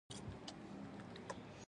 وګړو فکري تکوین رغېدلی وي.